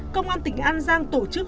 công an tỉnh an giang tổ chức